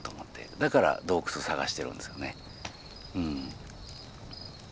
だから洞窟探してるんですよねうん。